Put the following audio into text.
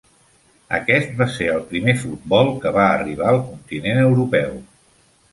Aquest va ser el primer futbol que va arribar al continent europeu.